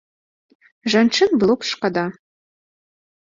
Жанчын было б шкада.